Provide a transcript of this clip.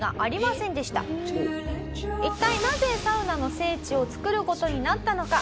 一体なぜサウナの聖地を作る事になったのか？